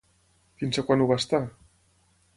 Fins a quan ho va estar?